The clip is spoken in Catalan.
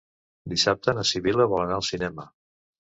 Dissabte na Sibil·la vol anar al cinema.